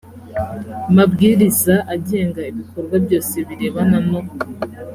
mabwiriza agenga ibikorwa byose birebana no